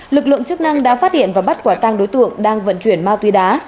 lực lượng chức năng đã phát hiện và bắt quả tăng đối tượng đang vận chuyển ma túy đá